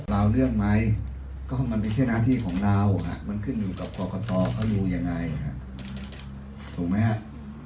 ราวเรื่องไหมก็มันไม่ใช่หน้าที่ของเรามันขึ้นอยู่กับกรกตเขาอยู่ยังไงถูกไหมฮะ